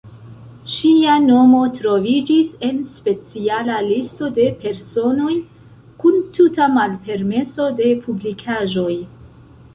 Ŝia nomo troviĝis en speciala listo de personoj kun tuta malpermeso de publikaĵoj.